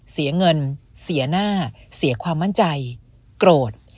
เสียเงินเสียหน้าเสียความมั่นใจโกรธ